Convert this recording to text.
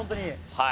はい。